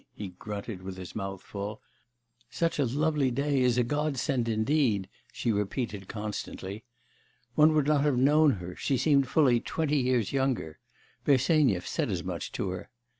he grunted with his mouth full. 'Such a lovely day is a God send, indeed!' she repeated constantly. One would not have known her; she seemed fully twenty years younger. Bersenyev said as much to her.